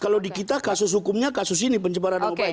kalau di kita kasus hukumnya kasus ini pencembaran upaya